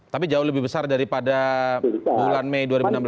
tapi jauh lebih besar daripada bulan mei dua ribu enam belas